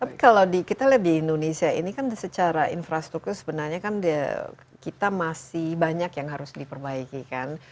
tapi kalau kita lihat di indonesia ini kan secara infrastruktur sebenarnya kan kita masih banyak yang harus diperbaiki kan